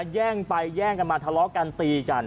แย่งไปแย่งกันมาทะเลาะกันตีกัน